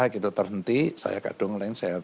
gitu terhenti saya kadung lain saya